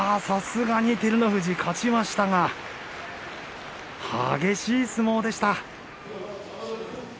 さすがに照ノ富士、勝ちましたが激しい相撲でした。